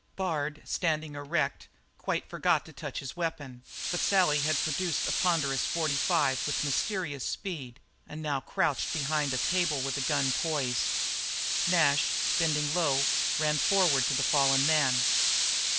Bard, standing erect, quite forgot to touch his weapon, but Sally had produced a ponderous forty five with mysterious speed and now crouched behind a table with the gun poised. Nash, bending low, ran forward to the fallen man.